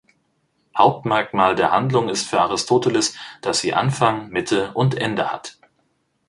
Hauptmerkmal der Handlung ist für Aristoteles, dass sie "Anfang, Mitte und Ende" hat.